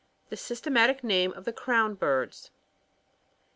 The systema tic name of the crown birds.